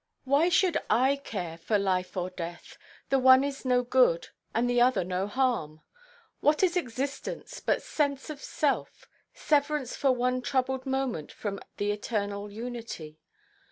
"Why should I care for life or death? The one is no good, and the other no harm. What is existence but sense of self, severance for one troubled moment from the eternal unity?